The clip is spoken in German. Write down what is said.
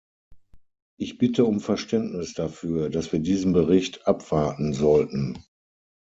Ich bitte um Verständnis dafür, dass wir diesen Bericht abwarten sollten.